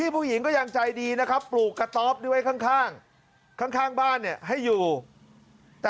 จ๊ะจ๊ะจ๊ะจ๊ะจ๊ะจ๊ะจ๊ะจ๊ะจ๊ะจ๊ะ